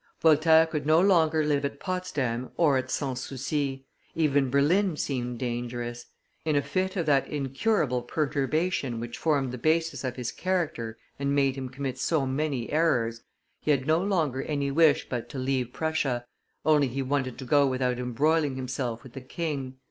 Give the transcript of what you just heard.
Voltaire could no longer live at Potsdam or at Sans Souci; even Berlin seemed dangerous: in a fit of that incurable perturbation which formed the basis of his character and made him commit so many errors, he had no longer any wish but to leave Prussia, only he wanted to go without embroiling himself with the king.